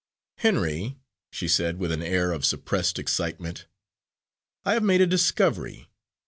"Henry," she said, with an air of suppressed excitement, "I have made a discovery.